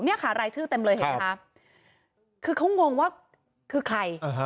เนี่ยค่ะรายชื่อเต็มเลยเห็นไหมคะคือเขางงว่าคือใคร